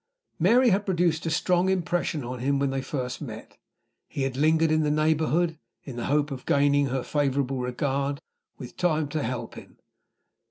Mary had produced a strong impression on him when they first met. He had lingered in the neighborhood, in the hope of gaining her favorable regard, with time to help him.